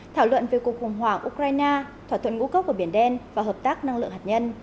thảo luận về cuộc khủng hoảng ukraine thỏa thuận ngũ cốc ở biển đen và hợp tác năng lực